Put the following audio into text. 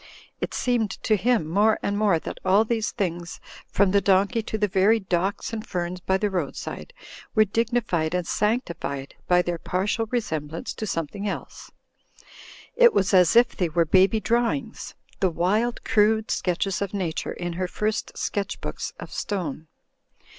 It seemed to him more and more that all these things, from the donkey to the very docks and ferns by the roadside, were dignified and sanctified by their partial resemblance to some thing else. It was as if they were baby drawings: the wild, crude sketches of Nature in her first sketch books of stone.